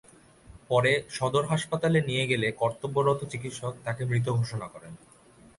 পরে সদর হাসপাতালে নিয়ে গেলে কর্তব্যরত চিকিৎসক তাঁকে মৃত ঘোষণা করেন।